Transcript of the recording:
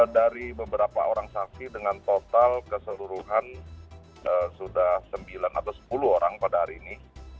dari beberapa orang saksi dengan total keseluruhan sudah sembilan atau sepuluh orang pada hari ini